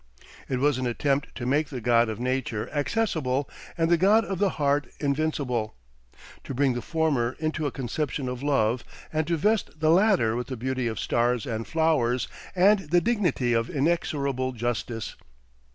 It was an attempt to make the God of Nature accessible and the God of the Heart invincible, to bring the former into a conception of love and to vest the latter with the beauty of stars and flowers and the dignity of inexorable justice.